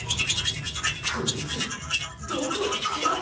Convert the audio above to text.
こいつどこ行く気だ！？